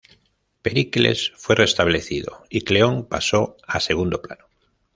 Pericles fue restablecido y Cleón pasó a segundo plano.